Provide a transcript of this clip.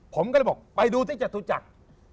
ผมก็เลยบอกไปดูที่จตุจักร